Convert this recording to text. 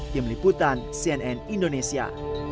tim liputan cnn indonesia